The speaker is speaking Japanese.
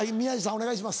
お願いします。